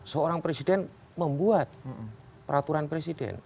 seorang presiden membuat peraturan presiden